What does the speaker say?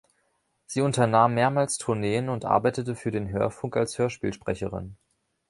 Sie unternahm mehrmals Tourneen und arbeitete für den Hörfunk als Hörspielsprecherin.